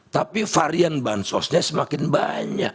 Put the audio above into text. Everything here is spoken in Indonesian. tapi varian bansosnya semakin banyak